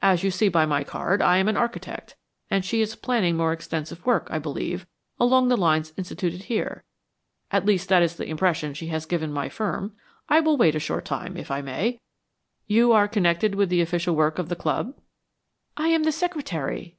As you see by my card, I am an architect and she is planning more extensive work, I believe, along the lines instituted here at least that is the impression she has given my firm. I will wait a short time, if I may. You are connected with the official work of the club?" "I am the secretary."